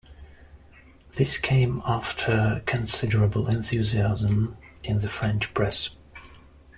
This came after considerable enthusiasm in the French press.